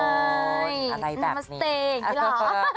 นามัสเตย์อย่างนี้หรอ